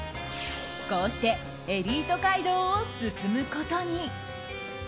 こうしてエリート街道を進むことに。